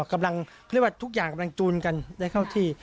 กำลังเขาเรียกว่าทุกอย่างกำลังจูนกันได้เข้าที่